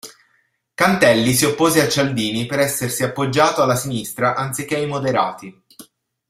Cantelli si oppose a Cialdini per essersi appoggiato alla sinistra, anziché ai moderati.